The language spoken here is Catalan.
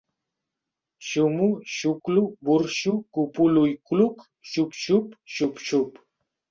Xumo, xuclo, burxo, copulo ullcluc ; xup-xup, xup-xup...